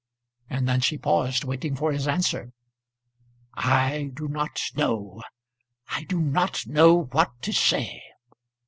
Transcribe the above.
And then she paused, waiting for his answer. "I do not know. I do not know what to say.